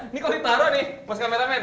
ini kalau ditaruh nih mas kameramen